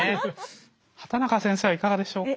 畑中先生はいかがでしょうか？